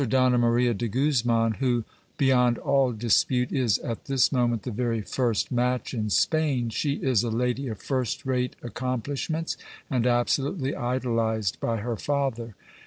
Donna Maria de Guzman, who beyond all dispute is at this moment the very first match in Spain, she is a lady of first rate accomplishments, and absolutely idolized by her father.